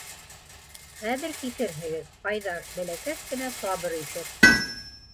- Хәҙер китерһегеҙ, Айҙар бәләкәс кенә сабыр итер.